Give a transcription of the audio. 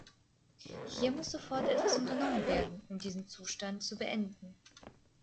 Hier muss sofort etwas unternommen werden, um diesen Zustand zu beenden.